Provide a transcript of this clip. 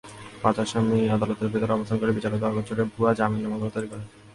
পাঁচ আসামি আদালতের ভেতরে অবস্থান করে বিচারকের অগোচরে ভুয়া জামিননামাগুলো তৈরি করেন।